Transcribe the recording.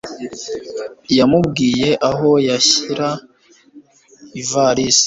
Yamubwiye aho yashyira ivalisi.